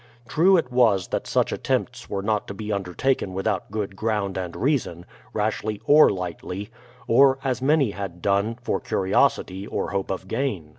True it was that such attempts were not to be undertaken without good ground and reason, rashly or lightly; or, as many had done, for curiosity or hope of gain.